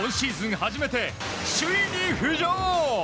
初めて首位に浮上。